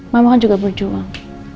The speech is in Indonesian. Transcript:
mama kan juga berjuang